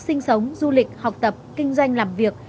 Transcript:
sinh sống du lịch học tập kinh doanh làm việc